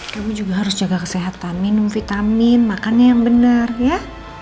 kamu juga harus jaga kesehatan minum vitamin makannya yang benar ya